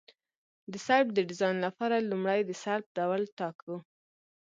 د سلب د ډیزاین لپاره لومړی د سلب ډول ټاکو